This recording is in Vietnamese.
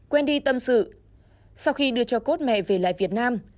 quên đi tâm sự sau khi đưa cho cốt mẹ về lại việt nam